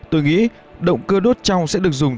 tôi nghĩ động cơ đốt trong sẽ được dùng